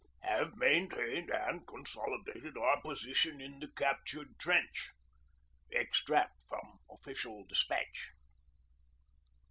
. have maintained and consolidated our position in the captured trench._' EXTRACT FROM OFFICIAL DESPATCH.